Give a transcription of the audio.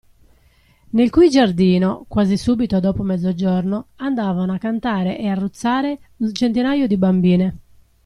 Nel cui giardino, quasi subito dopo mezzogiorno, andavano a cantare e a ruzzare un centinaio di bambine.